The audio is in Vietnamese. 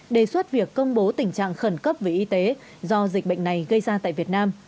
đề xuất việc công bố tình trạng khẩn cấp về y tế do dịch bệnh này gây ra tại việt nam